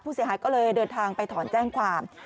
เสียหายก็เลยเดินทางไปถอนแจ้งความ